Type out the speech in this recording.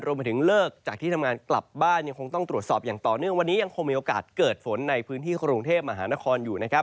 ไปถึงเลิกจากที่ทำงานกลับบ้านยังคงต้องตรวจสอบอย่างต่อเนื่องวันนี้ยังคงมีโอกาสเกิดฝนในพื้นที่กรุงเทพมหานครอยู่นะครับ